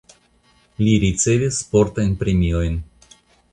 Li ricevis sportajn premiojn.